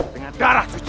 dengan darah suci